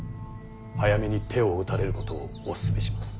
早めに手を打たれることをお勧めします。